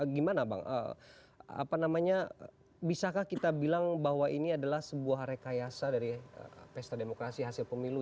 gimana bang bisakah kita bilang bahwa ini adalah sebuah rekayasa dari pesta demokrasi hasil pemilu